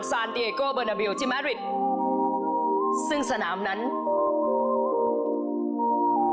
ของท่านได้เสด็จเข้ามาอยู่ในความทรงจำของคน๖๗๐ล้านคนค่ะทุกท่าน